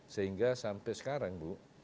sehingga sampai sekarang bu